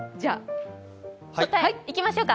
答えいきましょうか。